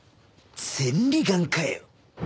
千里眼かよ！